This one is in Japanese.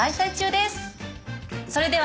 それでは。